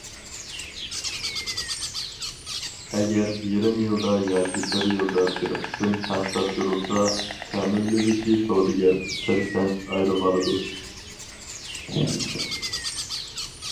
ئەگەر يېرىم يىلدا ياكى بىر يىلدا بىر قېتىم ھەق تاپشۇرۇلسا، تەمىنلىگۈچى سودىگەر پىرسەنت ئايرىۋالىدۇ.